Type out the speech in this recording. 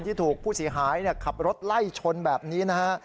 ที่ถูกผู้เสียหายขับรถไล่ชนแบบนี้นะฮะ